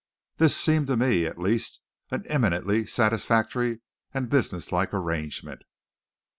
This seemed to me, at least, an eminently satisfactory and businesslike arrangement.